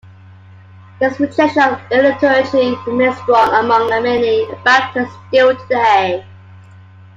This rejection of liturgy remains strong among many Baptists still today.